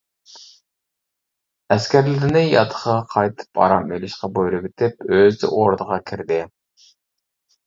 ئەسكەرلىرىنى ياتىقىغا قايتىپ ئارام ئېلىشقا بۇيرۇۋېتىپ ئۆزى ئوردىغا كىردى.